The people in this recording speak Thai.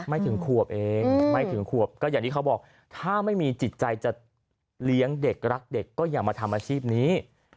ไม่ถึงขวบเองไม่ถึงขวบก็อย่างที่เขาบอกถ้าไม่มีจิตใจจะเลี้ยงเด็กรักเด็กก็อย่ามาทำอาชีพนี้